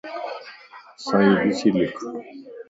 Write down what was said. صحيح ڏسي لک